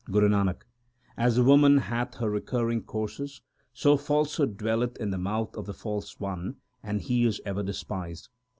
Guru Nanak As a woman hath her recurring courses, so falsehood dwell eth in the mouth of the false one, and he is ever despised.